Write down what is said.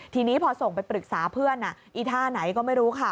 ทีนี้พอส่งไปปรึกษาเพื่อนอีท่าไหนก็ไม่รู้ค่ะ